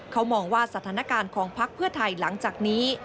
เขามองว่าสถานการณ์ของพักเพื่อไทยหลังจากนี้